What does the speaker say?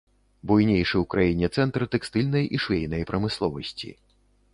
Буйнейшы ў краіне цэнтр тэкстыльнай і швейнай прамысловасці.